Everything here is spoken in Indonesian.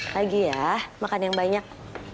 lagi ya makan yang banyak